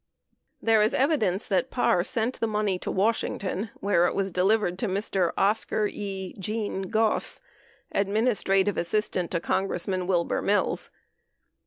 There is evidence that Parr sent the money to Washington where it was delivered to Mr. Oscar E. (Gene) Goss, administrative assistant to Congressman Wilbur Mills.